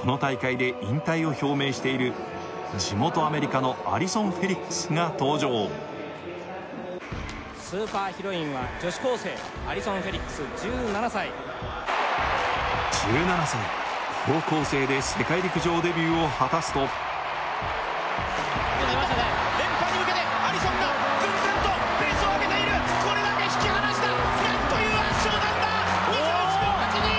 この大会で引退を表明している地元アメリカのアリソン・フェリックスが登場スーパーヒロインは女子高生アリソン・フェリックス１７歳１７歳高校生で世界陸上デビューを果たすと連覇に向けてアリソンがぐんぐんとペースをあげているこれだけ引き離した何という圧勝なんだ２１秒８２！